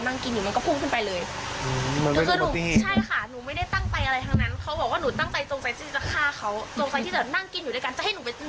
ติดต่อเรื่อยติดต่อกลับแต่บางทีเขาบอกว่าเฮ้ยอยู่ดีแล้วก็ทัก